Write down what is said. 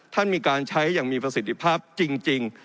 ท่านมีการใช้อย่างมีประสิทธิภาพจริง